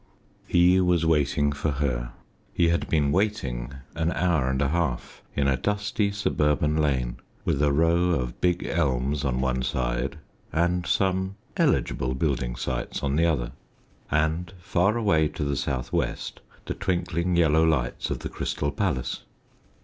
_ He was waiting for her; he had been waiting an hour and a half in a dusty suburban lane, with a row of big elms on one side and some eligible building sites on the other and far away to the south west the twinkling yellow lights of the Crystal Palace.